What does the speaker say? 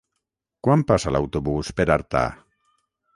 Quan passa l'autobús per Artà?